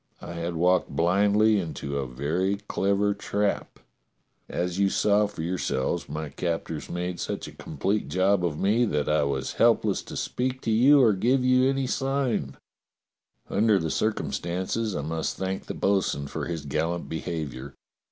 I had walked blindly into a very clever trap. As you saw for your selves, my captors made such a complete job of me that I was helpless to speak to you or give you any sign. 217 218 DOCTOR SYN Under the circumstances, I must thank the bo'sun for his gallant behaviour.